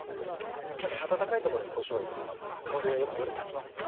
温かいところにこしょう入れてますので香りがより立ちますね。